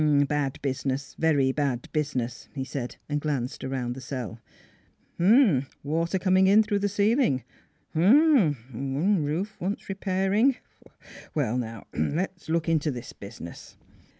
" A bad business a very bad business," he said, and glanced around the cell. ... "Hey? Water coming in through the ceiling ! Hr rumpp ! Roof wants repairing. ... Well, now, let's look into this business."